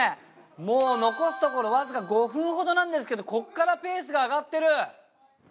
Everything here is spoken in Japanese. もう残すところわずか５分ほどなんですけどここからペースが上がってる！